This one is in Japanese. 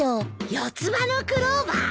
四葉のクローバー？